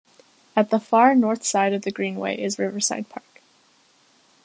At the far north side of the Greenway is Riverside Park.